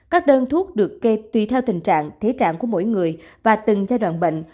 các đơn thuốc được tùy theo tình trạng thế trạng của mỗi người và từng giai đoạn bệnh